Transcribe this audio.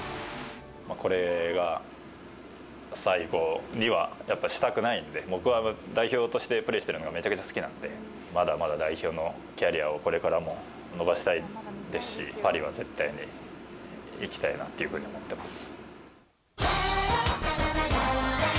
これが最後には、やっぱしたくないんで、僕は代表としてプレーしてるのがめちゃくちゃ好きなんで、まだまだ代表のキャリアをこれからも延ばしたいですし、パリは絶対に行きたいなっていうふうに思ってます。